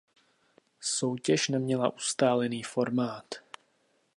Soutěž neměla ustálený formát.